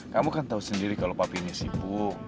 kamu kan tahu sendiri kalau papi ini sibuk